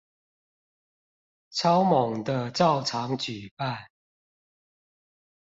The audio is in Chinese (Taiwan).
超猛的照常舉辦